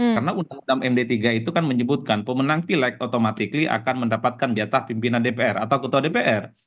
karena undang undang md tiga itu kan menyebutkan pemenang pilih akan mendapatkan jatah pimpinan dpr atau ketua dpr